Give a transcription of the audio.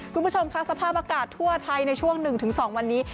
คุณผู้ชมค่ะสภาพอากาศทั่วไทยในช่วงหนึ่งถึงสองวันนี้